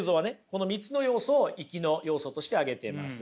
この３つの要素をいきの要素として挙げてます。